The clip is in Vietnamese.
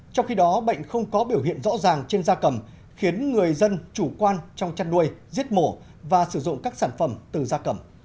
trong khi đó bệnh không có biểu hiện rõ ràng trên da cầm khiến người dân chủ quan trong chăn nuôi giết mổ và sử dụng các sản phẩm từ da cầm